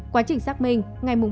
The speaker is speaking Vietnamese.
quá trình xác minh